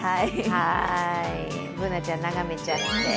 Ｂｏｏｎａちゃん、眺めちゃって。